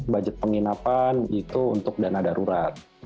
budget penginapan itu untuk dana darurat